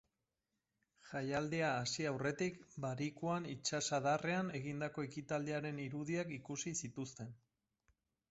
Jaialdia hasi aurretik, barikuan itsasadarrean egindako ekitaldiaren irudiak ikusi zituzten.